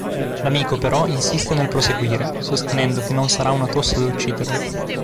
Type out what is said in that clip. L'amico però insiste nel proseguire, sostenendo che "non sarà una tosse ad ucciderlo".